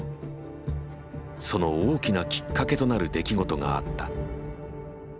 その大きなきっかけとなる出来事があった。